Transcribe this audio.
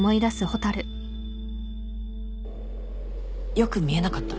よく見えなかった。